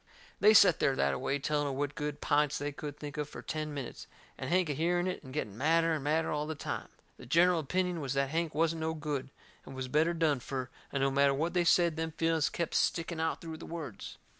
They set there that a way telling of what good pints they could think of fur ten minutes, and Hank a hearing it and getting madder and madder all the time. The gineral opinion was that Hank wasn't no good and was better done fur, and no matter what they said them feelings kep' sticking out through the words.